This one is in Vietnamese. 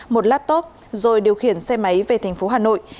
một laptop rồi điều khiển xe máy về thành phố hà nội